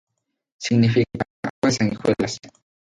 Significa agua de sanguijuelas".